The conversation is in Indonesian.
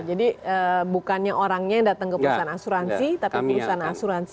jadi bukannya orangnya yang datang ke perusahaan asuransi